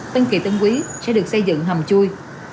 tân kỳ tân quý sẽ được xây dựng hầm chui